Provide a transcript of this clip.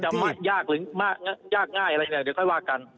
ยากหรือยากง่ายอะไรเนี่ยเดี๋ยวค่อยว่ากัน